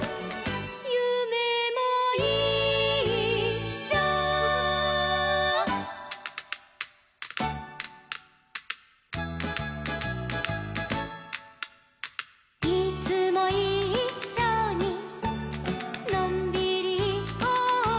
「ゆめもいっしょ」「いつもいっしょにのんびりいこうよ」